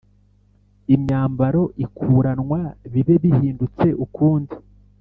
Imyambaro ikuranwa bibe bihindutse ukundi